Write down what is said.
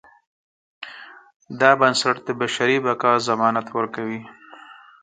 دا بنسټ د بشري بقا ضمانت ورکوي.